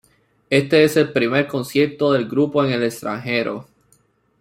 Este es el primer concierto del grupo en el extranjero.